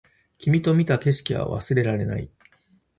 君と見た景色は忘れられない